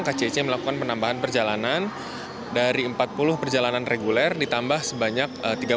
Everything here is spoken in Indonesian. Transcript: kcc melakukan penambahan perjalanan dari empat puluh perjalanan reguler ditambah sebanyak tiga puluh